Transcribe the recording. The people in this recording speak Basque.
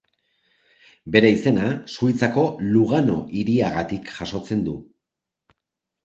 Bere izena Suitzako Lugano hiriagatik jasotzen du.